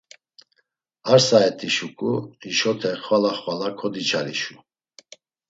Ar saet̆i şuǩu hişote xvala xvala kodiçalişu.